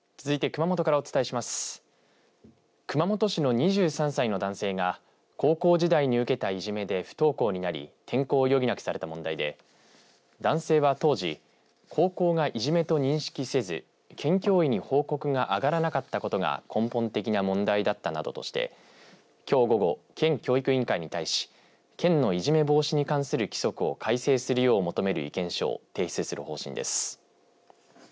熊本市の２３歳の男性が高校時代に受けたいじめで不登校になり転校を余儀なくされた問題で男性は当時高校が、いじめと認識せず県教委に報告が上がらなかったことが根本的な問題だったなどとしてきょう午後県教育委員会に対し県のいじめ防止に関する規則を改正するよう求める意見書を提出する方針です。